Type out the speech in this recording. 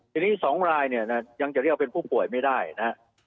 ทีนี้๒รายเนี่ยยังจะเรียกว่าเป็นผู้ป่วยไม่ได้นะฮะ